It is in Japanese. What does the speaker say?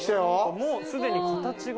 もうすでに形が。